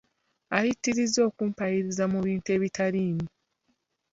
Ayitiriza okumpaayiriza mu bintu ebitaliimu.